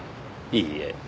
いいえ。